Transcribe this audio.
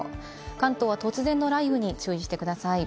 関東は突然の雷雨に注意してください。